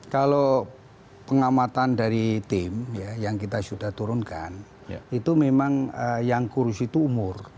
kalau pengamatan dari tim yang kita sudah turunkan itu memang yang kurus itu umur